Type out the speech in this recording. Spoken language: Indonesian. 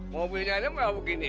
mobilnya aja gak begini